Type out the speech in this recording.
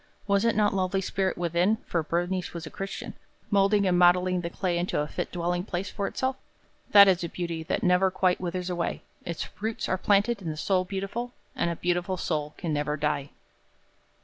Was it not lovely spirit within, for Bernice was a Christian, molding and modeling the clay into a fit dwelling place for itself? That is a beauty that never quite withers away. Its roots are planted in the soul beautiful, and a beautiful soul can never die.